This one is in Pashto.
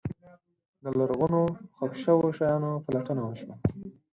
د لرغونو ښخ شوو شیانو پلټنه وشوه.